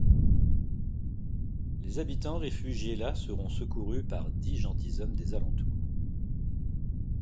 Les habitants réfugiés là seront secourus par dix gentilshommes des alentours.